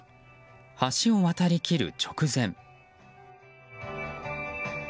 橋を渡りきる直前。